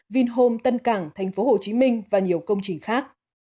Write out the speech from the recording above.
vin home tân cảng thành phố hồ chí minh và nhiều công trình khác